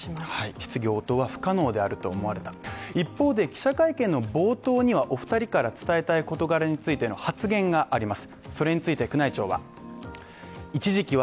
質疑応答は不可能であると思われた、一方で記者会見の冒頭にはお二人から伝えたい事柄への発言があります。